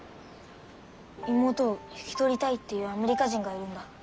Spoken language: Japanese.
妹を引き取りたいっていうアメリカ人がいるんだ。